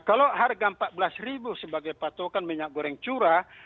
kalau harga rp empat belas sebagai patokan minyak goreng curah